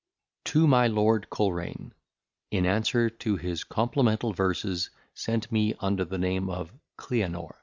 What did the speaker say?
TO My Lord Colrane, In Answer to his Complemental Verses sent me under the Name of CLEANOR.